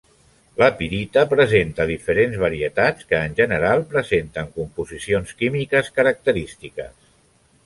La pirita presenta diferents varietats, que, en general presenten composicions químiques característiques.